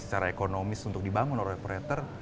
secara ekonomis untuk dibangun oleh operator